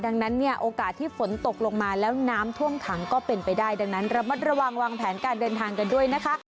ดังนั้นเนี่ยโอกาสที่ฝนตกลงมาแล้วน้ำท่วมขังก็เป็นไปได้ดังนั้นระมัดระวังวางแผนการเดินทางกันด้วยนะคะ